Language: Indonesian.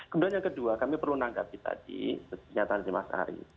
kemudian yang kedua kami perlu menanggapi tadi pernyataan dari mas ari